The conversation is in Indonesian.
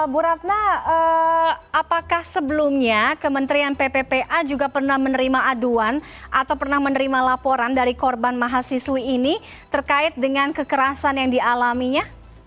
bu ratna apakah sebelumnya kementerian pppa juga pernah menerima aduan atau pernah menerima laporan dari korban mahasiswi ini terkait dengan kekerasan yang dialaminya